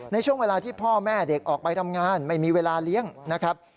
ในช่วงเวลาที่พ่อแม่เด็กออกไปทำงานไม่มีเวลาเลี้ยงนะครับ